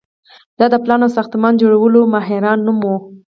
دا د پلان او ساختمان جوړولو ماهرانو نوم و.